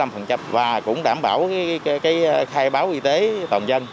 và cũng đảm bảo khai báo y tế toàn dân